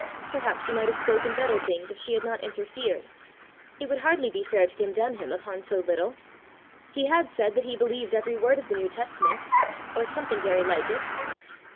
Perhaps he might have spoken better things if she had not interfered! It would hardly be fair to condemn him upon so little! He had said that he believed every word of the New Testament or something very like it!